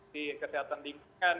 di kesehatan lingkungan